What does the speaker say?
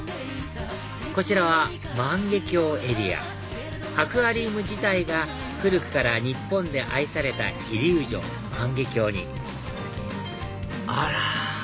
こちらは万華鏡エリアアクアリウム自体が古くから日本で愛されたイリュージョン万華鏡にあら！